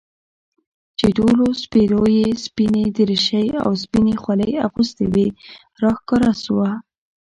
چې ټولو سپرو يې سپينې دريشۍ او سپينې خولۍ اغوستې وې راښکاره سوه.